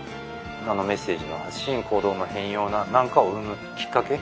あのメッセージの発信行動の変容なんかを生むきっかけ。